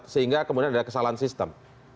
sehingga kemudian ada kesalahan sistem